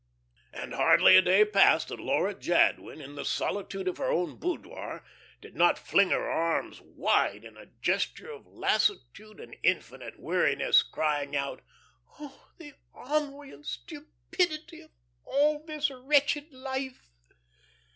And hardly a day passed that Laura Jadwin, in the solitude of her own boudoir, did not fling her arms wide in a gesture of lassitude and infinite weariness, crying out: "Oh, the ennui and stupidity of all this wretched life!"